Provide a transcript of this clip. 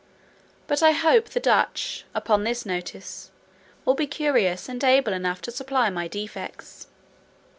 But I hope the Dutch, upon this notice, will be curious and able enough to supply my defects.